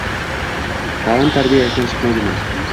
Ta’lim-tarbiya izdan chiqmaydimi?